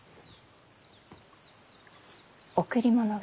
贈り物が。